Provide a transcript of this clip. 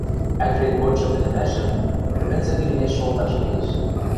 Ӓкрет годшы ӹлӹмӓшӹм ӹрвӹнзӹк лимеш шолташ келеш.